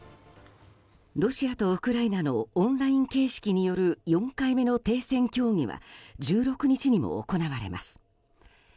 ロシアとウクライナのオンライン形式による４回目の停戦協議は１６日にも行われます。